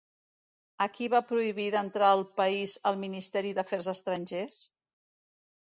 A qui va prohibir d'entrar al país el Ministeri d'Afers Estrangers?